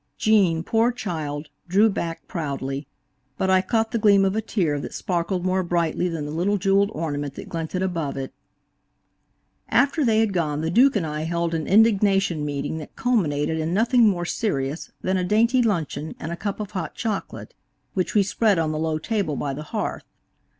Gene, poor child, drew back proudly, but I caught the gleam of a tear that sparkled more brightly than the little jeweled ornament that glinted above it. After they had gone the Duke and I held an indignation meeting that culminated in nothing more serious than a dainty luncheon and a cup of hot chocolate, which we spread on the low table by the hearth.